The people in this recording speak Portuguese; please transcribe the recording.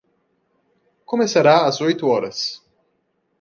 Começará às oito horas.